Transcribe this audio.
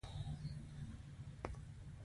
د صداقت ساتنه د عزت دروازه ده.